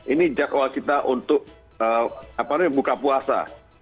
ini jadwal kita untuk buka puasa